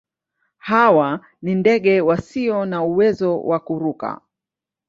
Hawa ni ndege wasio na uwezo wa kuruka.